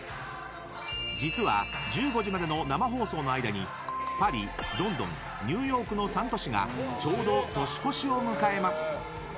実は１５時までの生放送の間にパリ、ロンドン、ニューヨークの３都市がちょうど年越しを迎えます。